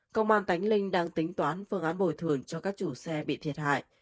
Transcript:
công an tánh linh đang tính toán phương án bồi thường cho các chủ xe bị thiệt hại